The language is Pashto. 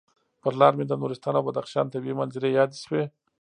پر لاره مې د نورستان او بدخشان طبعي منظرې یادې شوې.